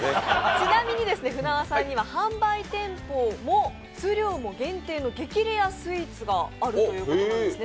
ちなみに舟和さんには販売店舗の数量も限定の激レアスイーツがあるということなんですね。